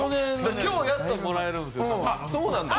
今日やっともらえるんです。